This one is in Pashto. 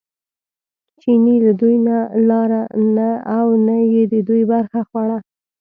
چیني له دوی نه لاره نه او نه یې د دوی برخه خوړه.